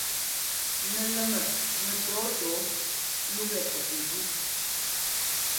Nɛlɛmmɛ mɛtɔ̌ɔtɔ̌ɔ lúgɛ tsɛt njí.